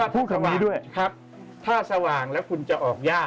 เพราะว่าถ้าสว่างแล้วคุณจะออกยาก